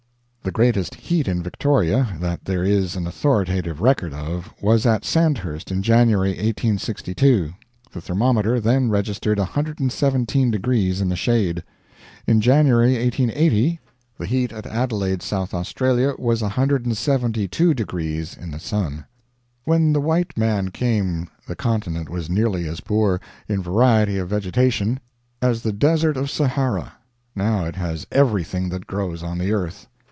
[The greatest heat in Victoria, that there is an authoritative record of, was at Sandhurst, in January, 1862. The thermometer then registered 117 degrees in the shade. In January, 1880, the heat at Adelaide, South Australia, was 172 degrees in the sun.] When the white man came the continent was nearly as poor, in variety of vegetation, as the desert of Sahara; now it has everything that grows on the earth.